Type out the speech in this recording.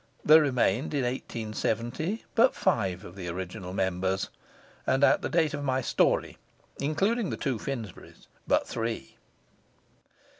There remained in 1870 but five of the original members, and at the date of my story, including the two Finsburys, but three.